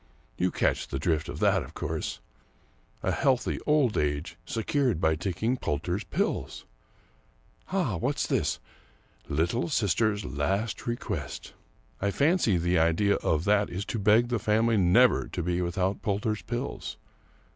You catch the drift of that, of course — a healthy old age secured by taking Poulter's Pills. Ah! what's this ?* Little sister's last request.' I fancy the idea of that is to beg the family never to be without Poulter's Pills.